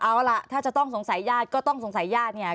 เอาล่ะถ้าจะต้องสงสัยญาติก็ต้องสงสัยญาติเนี่ย